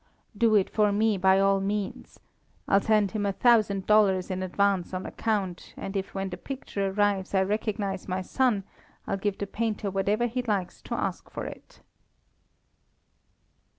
"Do it for me, by all means. I'll send him a thousand dollars in advance on account, and if when the picture arrives I recognize my son, I'll give the painter whatever he likes to ask for it."